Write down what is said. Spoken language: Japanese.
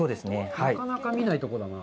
なかなか見ないとこだなあ。